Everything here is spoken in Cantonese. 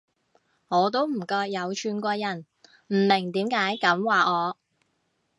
我都唔覺有串過人，唔明點解噉話我